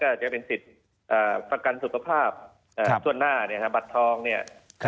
อาจจะเป็นสิทธิ์ประกันสุขภาพช่วงหน้าเนี่ยฮะบัตรทองเนี่ย